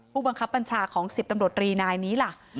ผู้บังคับบัญชาของ๑๐ตำรวจรีนายนี้ล่ะ